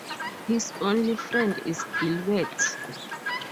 His only friend is Gilbert.